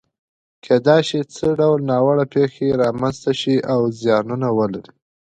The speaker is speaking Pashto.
کېدای شي څه ډول ناوړه پېښې رامنځته شي او زیانونه ولري؟